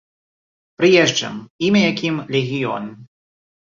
Прыезджым, імя якім легіён!